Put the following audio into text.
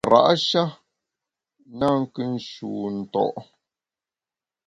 Kara’ sha na nkù nshu nto’.